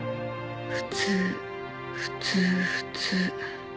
普通普通普通。